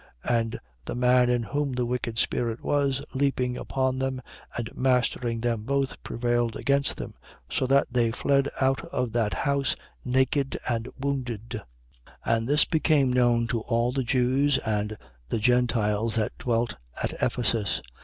19:16. And the man in whom the wicked spirit was, leaping upon them and mastering them both, prevailed against them, so that they fled out of that house naked and wounded. 19:17. And this became known to all the Jews and the Gentiles that dwelt a Ephesus.